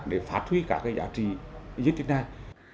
để phát huy cả cái giá trị di tích này